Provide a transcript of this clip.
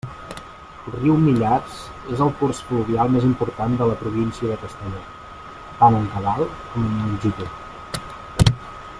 El riu Millars és el curs fluvial més important de la província de Castelló, tant en cabal com en longitud.